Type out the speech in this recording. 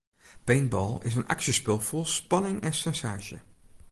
Paintball is in aksjespul fol spanning en sensaasje.